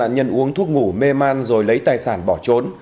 nhân uống thuốc ngủ mê man rồi lấy tài sản bỏ trốn